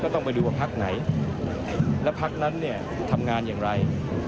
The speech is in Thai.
ก็ต้องไปดูว่าพักษณ์ไหนและพักษณ์นั้นทำงานอย่างไร